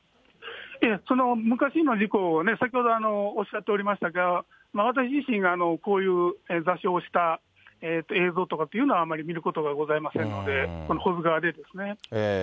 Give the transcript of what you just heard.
昔の事故ね、先ほどおっしゃっておりましたが、私自身がこういう座礁した映像とかというのは、あまり見ることはございませんので、保津川でですね。